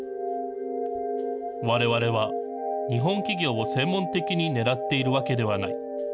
われわれは日本企業を専門的に狙っているわけではない。